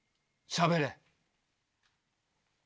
しゃべれ！